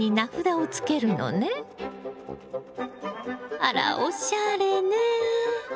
あらおしゃれね。